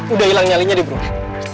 udah hilang nyalinya di broke